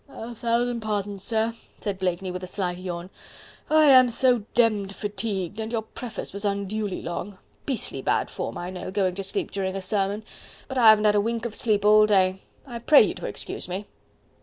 "A thousand pardons, sir," said Blakeney with a slight yawn. "I am so demmed fatigued, and your preface was unduly long.... Beastly bad form, I know, going to sleep during a sermon... but I haven't had a wink of sleep all day.... I pray you to excuse me..."